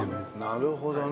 なるほどね。